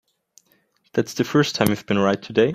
That's the first time you've been right today.